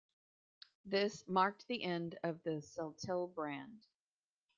This marked the end of the Celtel Brand.